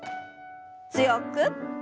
強く。